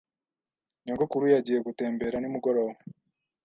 Nyogokuru yagiye gutembera nimugoroba.